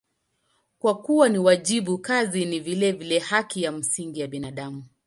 Kwa kuwa ni wajibu, kazi ni vilevile haki ya msingi ya binadamu.